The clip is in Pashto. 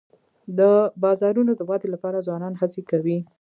د بازارونو د ودي لپاره ځوانان هڅي کوي.